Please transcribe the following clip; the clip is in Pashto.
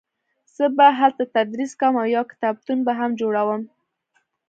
زه به هلته تدریس کوم او یو کتابتون به هم جوړوم